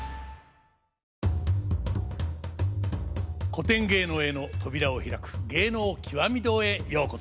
古典芸能への扉を開く「芸能きわみ堂」へようこそ。